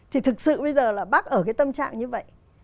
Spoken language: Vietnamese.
thì thực sự bây giờ là bác ở cái tâm trạng như vậy